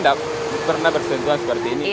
tidak pernah bersentuhan seperti ini